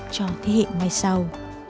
cho thế hệ mai sau